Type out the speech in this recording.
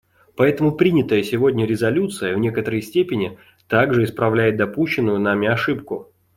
Поэтому принятая сегодня резолюция в некоторой степени также исправляет допущенную нами ошибку.